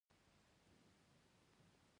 افغانستان د دښتو له مخې پېژندل کېږي.